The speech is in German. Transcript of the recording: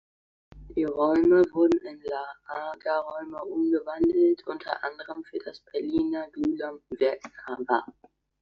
Die Räume wurden in Lagerräume umgewandelt, unter anderem für das "Berliner Glühlampenwerk Narva".